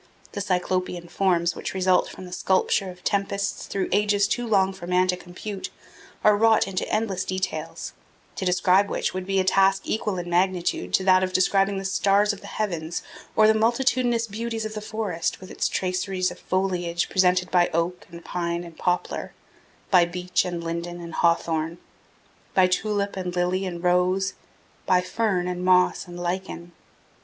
The Cyclopean forms which result from the sculpture of tempests through ages too long for man to compute, are wrought into endless details, to describe which would be a task equal in magnitude to that of describing the stars of the heavens or the multitudinous beauties of the forest with its traceries of foliage presented by oak and pine and poplar, by beech and linden and hawthorn, by tulip and lily and rose, by fern and moss and lichen.